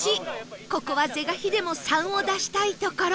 ここは是が非でも「３」を出したいところ